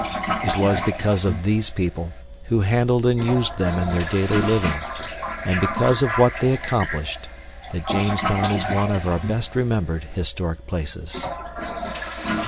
It was because of these people, who handled and used them in their daily living, and because of what they accomplished, that Jamestown is one of our best remembered historic places.